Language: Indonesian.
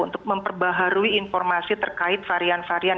untuk memperbaharui informasi terkait varian varian